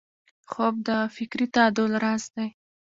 خوب د فکري تعادل راز دی